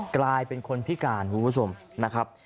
กลายเป็นคนพิการคุณผู้ชมนะครับ